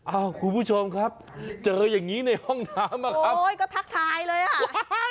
อ้าวคุณผู้ชมครับเจออย่างนี้ในห้องน้ำอะครับโอ้ยก็ทักทายเลยอ่ะ